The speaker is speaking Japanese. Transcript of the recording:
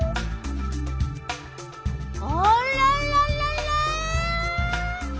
あらららら？